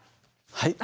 はい。